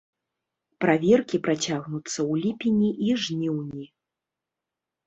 Праверкі працягнуцца ў ліпені і жніўні.